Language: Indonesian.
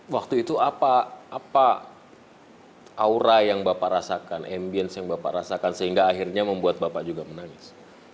waktu itu apa aura yang bapak rasakan ambience yang bapak rasakan sehingga akhirnya membuat bapak juga menangis